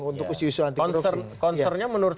untuk usus anti korupsi concernnya menurut